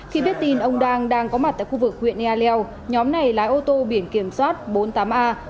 khi biết tin ông đăng đang có mặt tại khu vực huyện ea leo nhóm này lái ô tô biển kiểm soát bốn mươi tám a sáu nghìn bảy trăm linh bảy